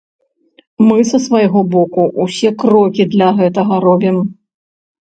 Мы са свайго боку усе крокі для гэтага робім.